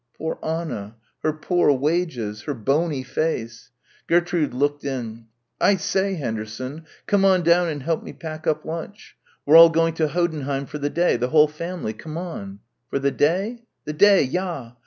Poor Anna. Her poor wages. Her bony face.... Gertrude looked in. "I say, Henderson, come on down and help me pack up lunch. We're all going to Hoddenheim for the day, the whole family, come on." "For the day?" "The day, ja.